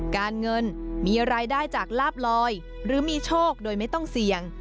การเงินมีรายได้จากลาบลอยหรือมีโชคโดยไม่ต้องเสี่ยง